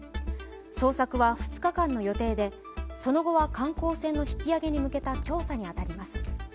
捜索は２日間の予定でその後は観光船の引き揚げに向けた調査に当たります。